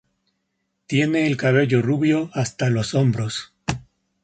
Tiene el cabello rubio hasta los hombros.